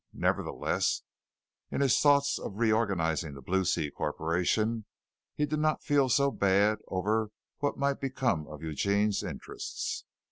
Nevertheless, in his thoughts of reorganizing the Blue Sea Corporation, he did not feel so bad over what might become of Eugene's interests.